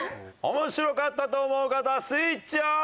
面白かったと思う方スイッチオン！